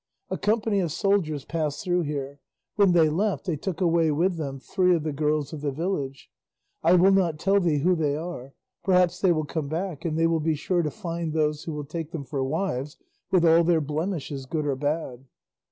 A company of soldiers passed through here; when they left they took away with them three of the girls of the village; I will not tell thee who they are; perhaps they will come back, and they will be sure to find those who will take them for wives with all their blemishes, good or bad.